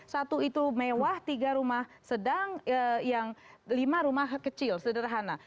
satu itu mewah tiga rumah sedang yang lima rumah kecil sederhana